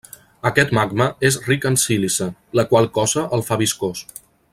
Aquest magma és ric en sílice, la qual cosa el fa viscós.